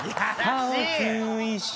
いい！